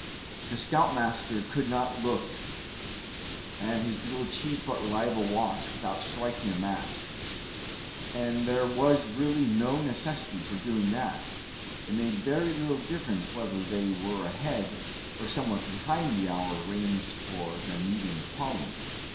The scoutmaster could not look at his little cheap but reliable watch without striking a match; and there was really no necessity for doing that. It made very little difference whether they were ahead, or somewhat behind the hour arranged for their meeting with Polly.